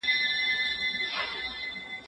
په دېواله ولاړه اوسه